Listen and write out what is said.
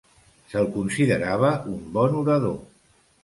Se'l considerava un bon orador.